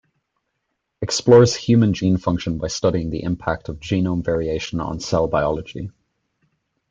Explores human gene function by studying the impact of genome variation on cell biology.